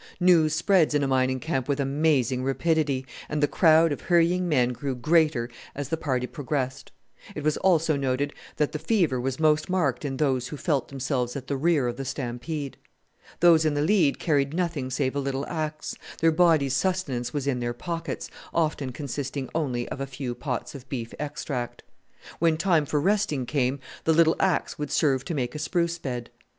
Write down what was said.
News spreads in a mining camp with amazing rapidity, and the crowd of hurrying men grew greater as the party progressed. It was also noted that the fever was most marked in those who felt themselves at the rear of the stampede. Those in the lead carried nothing save a little axe their body's sustenance was in their pockets, often consisting only of a few pots of beef extract. When time for resting came the little axe would serve to make a spruce bed.